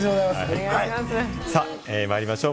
まいりましょう。